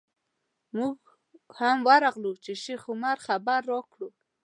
موږ هم ورغلو چې شیخ عمر خبر راکړو.